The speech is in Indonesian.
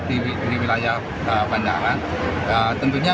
kedua kawanan ulat gagak yang berhubungan dengan kawanan ulat gagak